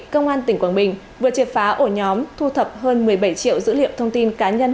công an tỉnh quảng bình vừa triệt phá ổ nhóm thu thập hơn một mươi bảy triệu dữ liệu thông tin cá nhân